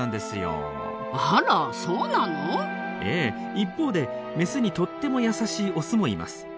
一方でメスにとっても優しいオスもいます。